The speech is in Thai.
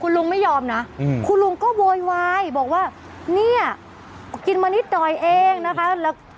ลุงไม่ยอมนะคุณลุงก็โวยวายบอกว่าเนี่ยกินมานิดหน่อยเองนะคะ